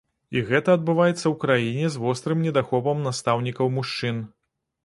І гэта адбываецца ў краіне з вострым недахопам настаўнікаў-мужчын.